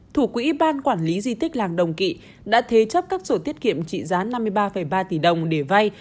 thủ quỹ ban quản lý di tích làng đồng kỵ đã thế chấp các sổ tiết kiệm trị giá năm mươi ba ba tỷ đồng để vay